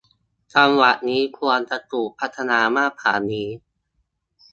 จังหวัดนี้ควรจะถูกพัฒนามากกว่านี้